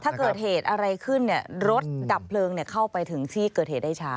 ถ้าเกิดเหตุอะไรขึ้นรถดับเพลิงเข้าไปถึงที่เกิดเหตุได้ช้า